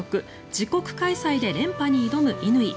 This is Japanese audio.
自国開催で連覇に挑む乾。